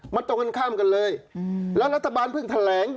มันตรงข้างข้ามกันเลยและรัฐบาลเพิ่งแทร้ง